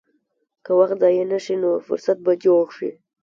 که وخت ضایع نه شي، نو فرصت به جوړ شي.